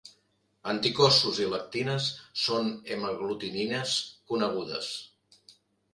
Anticossos i lectines són hemaglutinines conegudes.